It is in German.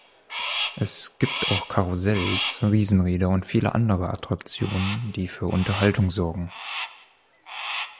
Es gibt auch Karussells, Riesenräder und viele andere Attraktionen, die für Unterhaltung sorgen.